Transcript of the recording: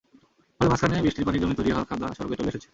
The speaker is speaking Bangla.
ফলে মাঝখানে বৃষ্টির পানি জমে তৈরি হওয়া কাদা সড়কে চলে এসেছে।